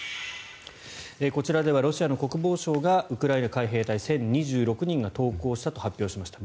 こちらではロシアの国防省がウクライナ海兵隊１０２６人が投降したと発表しました。